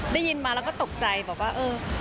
ได้ยินมาแล้วก็ตกใจบอกว่าเออ